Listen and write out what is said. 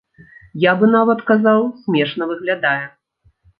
Я бы нават казаў, смешна выглядае.